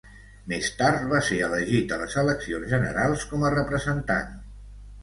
Més tard va ser elegit a les eleccions generals com a Representant.